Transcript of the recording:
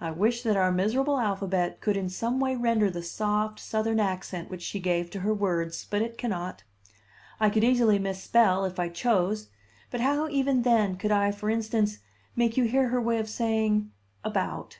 I wish that our miserable alphabet could in some way render the soft Southern accent which she gave to her words. But it cannot. I could easily misspell, if I chose; but how, even then, could I, for instance, make you hear her way of saying "about"?